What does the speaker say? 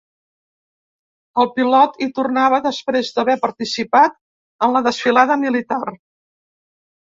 El pilot hi tornava després d’haver participat en la desfilada militar.